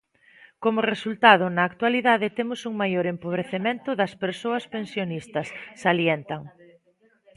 "Como resultado, na actualidade temos un maior empobrecemento das persoas pensionistas", salientan.